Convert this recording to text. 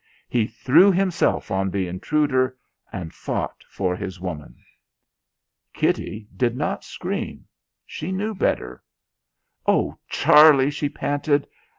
He threw himself on the intruder and fought for his woman. Kitty did not scream. She knew better. "Oh Charlie!" she panted.